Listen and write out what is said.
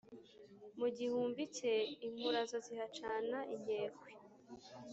mu gihumbi cye inkurazo zihacana inkekwe